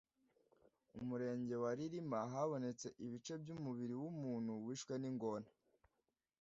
umurenge wa Rilima habonetse ibice by’umubiri w’umuntu wishwe n’ingona